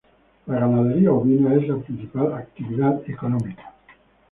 La ganadería ovina es la principal actividad económica.